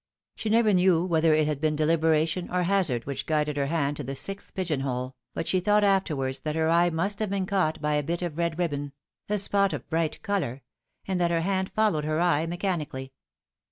She never knew* whether it had been deliberation or hazard which guided her hand to the sixth pigeon hole, but she thought afterwards that her eye must have been caught by a bit of red 330 Tha Fatal Thr. ribbon a spot of bright colour and that her hand followed her eye mechanically.